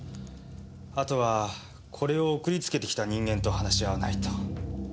あとはこれを送りつけてきた人間と話し合わないと。